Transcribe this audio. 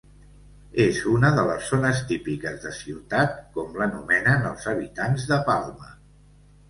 És una de les zones típiques de Ciutat com l'anomenen els habitants de Palma.